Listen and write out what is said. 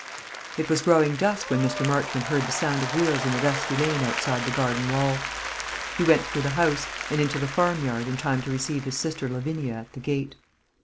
It was growing dusk when Mr. Marchmont heard the sound of wheels in the dusty lane outside the garden wall. He went through the house, and into the farmyard, in time to receive his sister Lavinia at the gate.